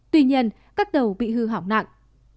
tuy nhiên các tàu bị hư hỏng nặng